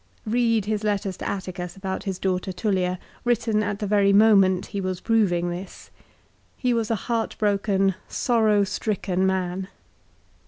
Bend his letters to Atticus about his daughter Tullia, written at the very moment he was proving this. He was a heartbroken, sorrow stricken man.